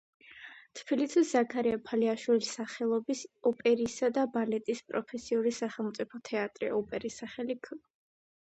თბილისის ზაქარია ფალიაშვილის სახელობის ოპერისა და ბალეტის პროფესიული სახელმწიფო თეატრი — ოპერის სახლი ქ.